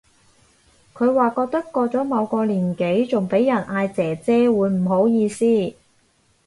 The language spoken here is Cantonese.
佢話覺得過咗某個年紀仲俾人嗌姐姐會唔好意思